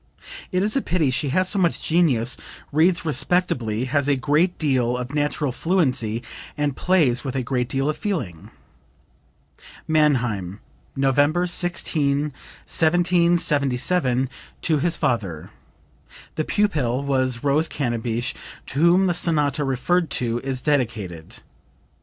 It is a pity; she has so much genius, reads respectably, has a great deal of natural fluency and plays with a great deal of feeling." (Mannheim, November 16, 1777, to his father. The pupil was Rose Cannabich, to whom the sonata referred to is dedicated.